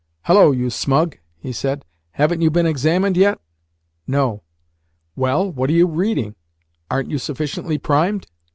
"Hullo, you smug!" he said. "Haven't you been examined yet?" "No." "Well, what are you reading? Aren't you sufficiently primed?"